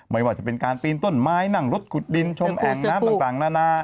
ไม่ว่าจะเป็นการปีนต้นไม้นั่งรถขุดดินชมแอ่งน้ำต่างนานา